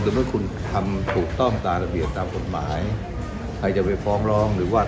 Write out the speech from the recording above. เมื่อคุณทำถูกต้องตามระเบียบตามกฎหมายใครจะไปฟ้องร้องหรือว่า